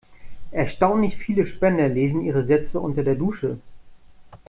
Erstaunlich viele Spender lesen ihre Sätze unter der Dusche.